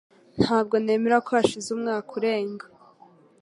Ntabwo nemera ko hashize umwaka urenga.